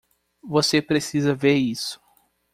Você precisa ver isso.